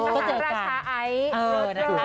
เป็นสหาราชาไอซ์